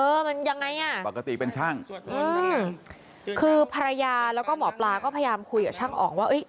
เออมันยังไงน่ะคือภรรยาแล้วก็หมอปลาก็พยายามคุยกับช่างอ๋องว่าเอ๊ะ